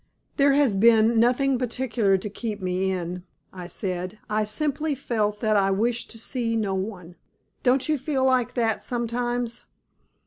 "There has been nothing particular to keep me in," I said. "I simply felt that I wished to see no one. Don't you feel like that sometimes?"